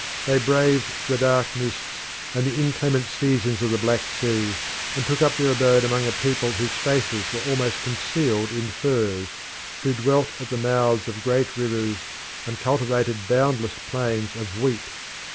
They braved the dark mists and the inclement seasons of the Black Sea, and took up their abode among a people whose faces were almost concealed in furs, who dwelt at the mouths of great rivers and cultivated boundless plains of wheat.